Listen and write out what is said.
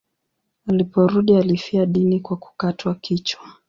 Aliporudi alifia dini kwa kukatwa kichwa.